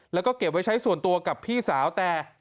แล้วก็เก็บไว้ใช้ส่วนตัวกับพี่สาวแต่